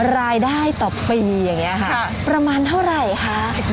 รายได้ต่อปีอย่างนี้ค่ะประมาณเท่าไหร่คะ